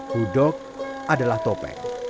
hudok adalah topeng